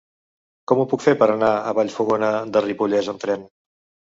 Com ho puc fer per anar a Vallfogona de Ripollès amb tren?